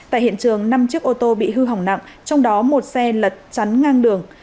tại hiện trường năm chiếc ô tô bị hư hỏng nặng trong đó một xe lật chắn ngang đường